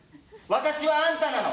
私はあんたなの！